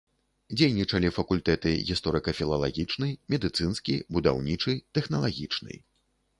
Дзейнічалі факультэты гісторыка-філалагічны, медыцынскі, будаўнічы, тэхналагічны.